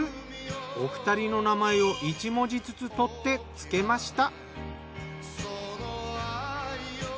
お二人の名前を一文字ずつ取ってつけました。